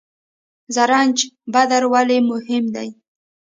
زرنج بندر ولې مهم دی؟